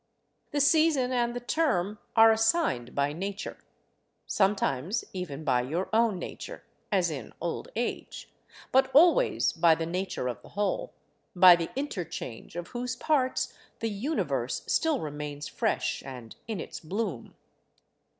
The season and the term are assigned by Nature; sometimes even by your own nature, as in old age; but always by the nature of the whole, by the interchange of whose parts the Universe still remains fresh and in its bloom.